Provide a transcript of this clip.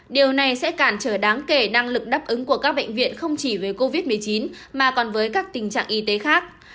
điều này sẽ cản trở đáng kể năng lực đáp ứng của các bệnh viện không chỉ về covid một mươi chín mà còn với các tình trạng y tế khác